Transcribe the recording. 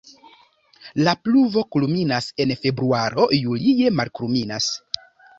La pluvo kulminas en februaro, julie malkulminas.